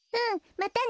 またね